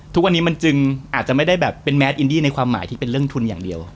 ทุกวันนี้มันจึงอาจจะไม่ได้แบบเป็นแมทอินดี้ในความหมายที่เป็นเรื่องทุนอย่างเดียว